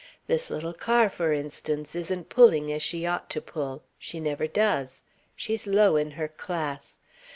This little car, for instance, isn't pulling as she ought to pull she never does. She's low in her class.